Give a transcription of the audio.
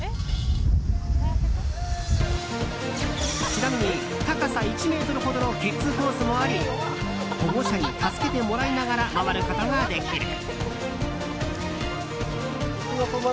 ちなみに、高さ１ｍほどのキッズコースもあり保護者に助けてもらいながら回ることができる。